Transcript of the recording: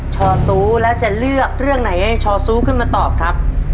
ชอซูแล้วจะเลือกเรื่องไหนให้ชอซูขึ้นมาตอบครับ